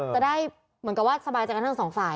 จะได้เหมือนกับว่าสบายใจกันทั้งสองฝ่าย